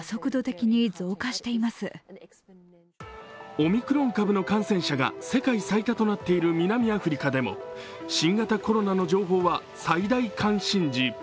オミクロン株の感染者が世界最大となっている南アフリカでも新型コロナの情報は最大関心事。